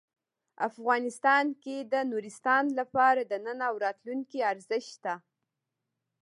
افغانستان کې د نورستان لپاره د نن او راتلونکي ارزښت شته.